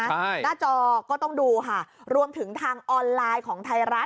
ใช่หน้าจอก็ต้องดูค่ะรวมถึงทางออนไลน์ของไทยรัฐ